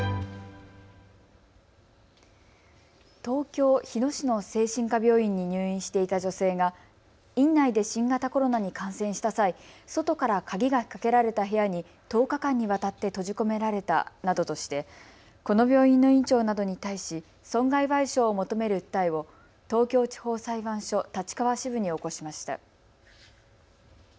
東京日野市の精神科病院に入院していた女性が院内で新型コロナに感染した際、外から鍵がかけられた部屋に１０日間にわたって閉じ込められたなどとしてこの病院の院長などに対し損害賠償を求める訴えを東京地方裁判所立川支部に起こしました。